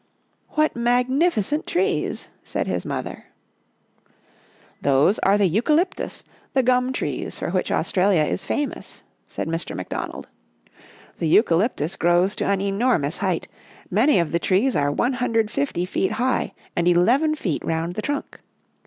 " What magnificent trees," said his mother. " Those are the eucalyptus, the gum trees for which Australia is famous," said Mr. McDon ald. " The eucalyptus grows to an enormous height, many of the trees are 150 feet high and eleven feet around the trunk.